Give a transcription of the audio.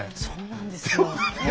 そうなんですよ。